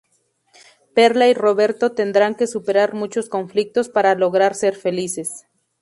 Perla y Roberto tendrán que superar muchos conflictos para lograr ser felices.